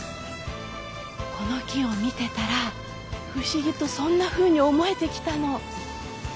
この木を見てたら不思議とそんなふうに思えてきたの。